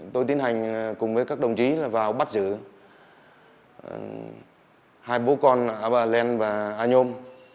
tôi tiến hành cùng với các đồng chí là vào bắt giữ hai bố con aplen và anom